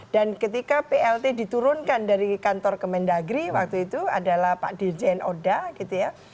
dan ketika plt diturunkan dari kantor kemendagri waktu itu adalah pak dirjen oda gitu ya